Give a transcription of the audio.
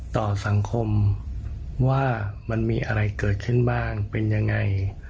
ต่อสังคมว่ามันมีอะไรเกิดขึ้นบ้างเป็นยังไง